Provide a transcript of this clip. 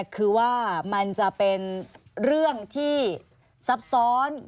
คือว่ามันจะเป็นเรื่องที่ซับซ้อน